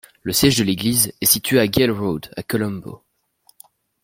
Le siège de l'église est situé à Galle Road, à Colombo.